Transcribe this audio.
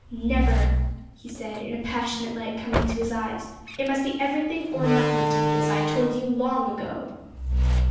'Never!' he said, a passionate light coming to his eyes; 'it must be everything or nothing to me, as I told you long ago.'